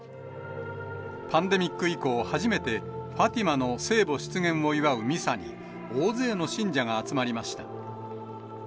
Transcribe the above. パンデミック以降、初めてファティマの聖母出現を祝うミサに、大勢の信者が集まりました。